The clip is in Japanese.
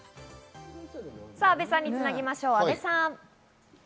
阿部さんにつなぎましょう、阿部さん！